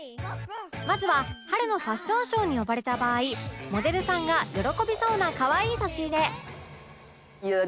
まずは春のファッションショーに呼ばれた場合モデルさんが喜びそうな可愛い差し入れ